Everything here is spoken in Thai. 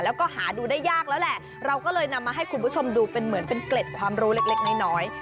แล้วก็หาดูได้ยากแล้วแหละเราก็เลยนำมาให้คุณผู้ชมดูเป็นเหมือนเป็นเกล็ดความรู้เล็กน้อย